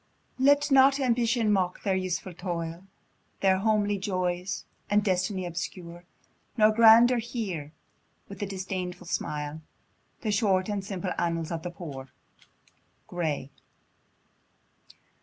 Let not Ambition mock their useful toil, Their homely joys, and destiny obscure; Nor Grandeur hear, with a disdainful smile, The short and simple annals of the Poor. Gray.